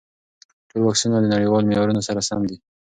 ټول واکسینونه د نړیوالو معیارونو سره سم دي.